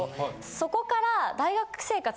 そこから。